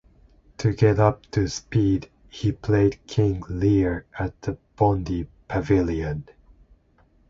To get up to speed he played King Lear at the Bondi Pavilion.